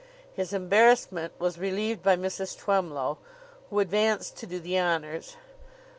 His embarrassment was relieved by Mrs. Twemlow, who advanced to do the honors.